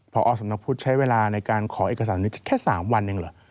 พอสำนักพุทธใช้เวลาในการขอเอกสารนี้แค่๓วันเองเหรอ